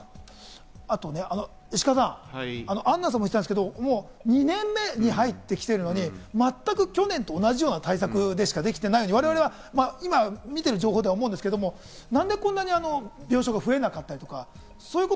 あと石川さん、アンナさんも言ってたんですけど、もう２年目に入ってきてるのに、全く去年と同じような対策しかできていないように我々が見ている情報ではそう思うんですけど、何でこんなに病床が増えなかったのか。